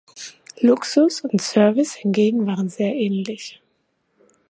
Luxus und Service hingegen waren sehr ähnlich.